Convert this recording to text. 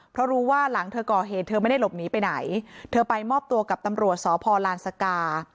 เพราะรู้ว่าหลังเธอก่อเหตุเธอไม่ได้หลบหนีไปไหนเธอไปมอบตัวกับตำรวจสพลานสกา